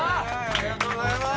ありがとうございます！